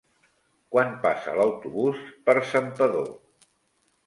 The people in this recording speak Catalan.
Quan passa l'autobús per Santpedor?